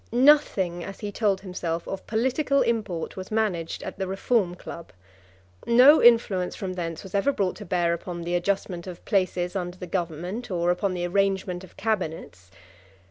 Nothing, as he told himself, of political import was managed at the Reform Club. No influence from thence was ever brought to bear upon the adjustment of places under the Government, or upon the arrangement of cabinets.